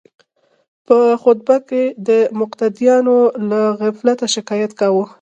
په خطبه کې د مقتدیانو له غفلته شکایت کاوه.